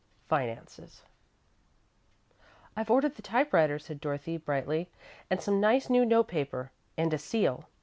IV Finances "I've ordered the typewriter," said Dorothy, brightly, "and some nice new note paper, and a seal.